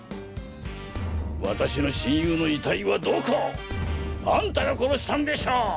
「私の親友の遺体はどこ！？あんたが殺したんでしょ！？」